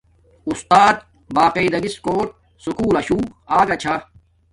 اُسات باقاعدگیس کوٹ سکول لشو آگا چھا